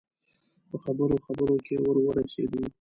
په خبرو خبرو کې ور ورسېدو.